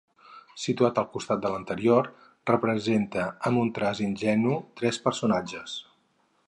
Situat al costat de l'anterior, representa amb un traç ingenu tres personatges.